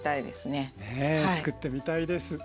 ねえ作ってみたいです。